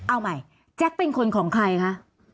เอาใหม่แจ๊คเป็นคนของใครคะ